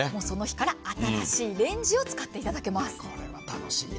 その日から新しいレンジを使っていただけます。